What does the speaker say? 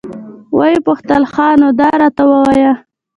ويې پوښتل ښه نو دا راته ووايه.